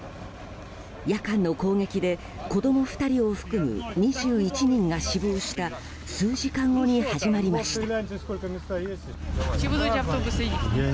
夜間の攻撃で子供２人を含む２１人が死亡した数時間後に始まりました。